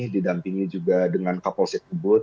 didampingi juga dengan kapol setubut